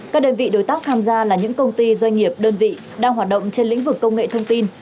các đơn vị đối tác tham gia là những công ty doanh nghiệp đơn vị đang hoạt động trên lĩnh vực công nghệ thông tin